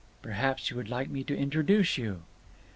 "Perhaps you would like me to introduce you?"